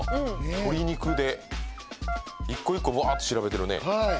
鶏肉で一個一個ばーっと調べてるね。